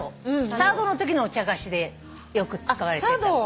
茶道のときのお茶菓子でよく使われていた。